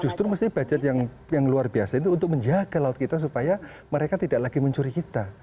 justru mesti budget yang luar biasa itu untuk menjaga laut kita supaya mereka tidak lagi mencuri kita